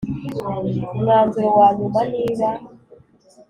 umwanzuro wanyuma niba